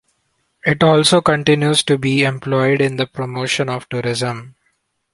It also continues to be employed in the promotion of tourism.